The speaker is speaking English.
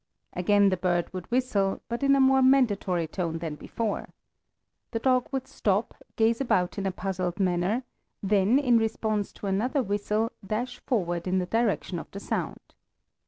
Again the bird would whistle, but in a more mandatory tone than before. The dog would stop, gaze about in a puzzled manner, then, in response to another whistle, dash forward in the direction of the sound.